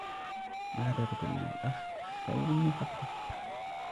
مُعَاتَبَةُ الْأَخِ خَيْرٌ مِنْ فَقْدِهِ